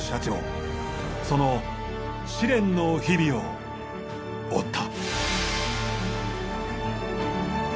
その試練の日々を追った。